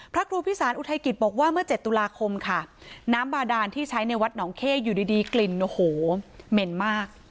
พระครูพิสารอุทัยกิจบอกว่าเมื่อ๗ตุลาคมค่ะน้ำบาดานที่ใช้ในวัดหนองเข้อยู่ดีกลิ่นโอ้โหเหม็นมาก